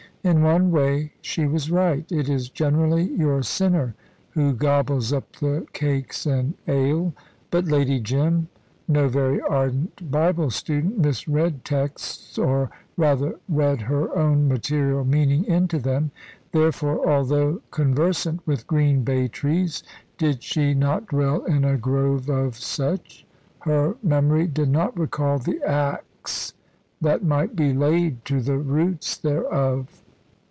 In one way she was right. It is generally your sinner who gobbles up the cakes and ale. But Lady Jim no very ardent Bible student misread texts, or rather, read her own material meaning into them. Therefore, although conversant with green bay trees did she not dwell in a grove of such? her memory did not recall the axe that might be laid to the roots thereof.